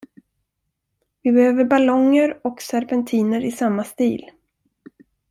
Vi behöver ballonger och serpentiner i samma stil.